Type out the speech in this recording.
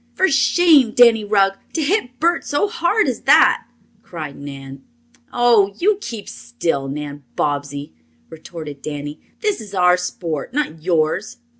"For shame, Danny Rugg, to hit Bert so hard as that!" cried Nan. "Oh, you keep still, Nan Bobbsey!" retorted Danny. "This is our sport, not yours."